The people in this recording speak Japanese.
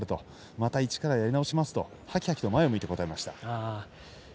また一からやり直しますとはきはきと前を向いて答えました。